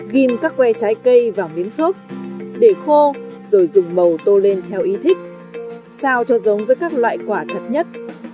ghim các que trái cây vào miếng xốp để khô rồi dùng màu tô lên theo ý thích sao cho giống với các loại quả thật nhất